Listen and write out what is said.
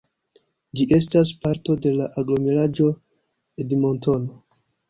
Ĝi estas parto de la Aglomeraĵo Edmontono.